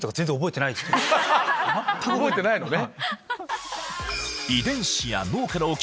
覚えてないのね。